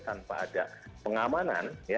tanpa ada pengamanan